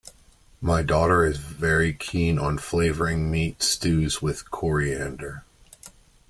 My daughter is very keen on flavouring meat stews with coriander